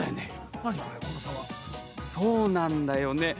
そうなんだよね。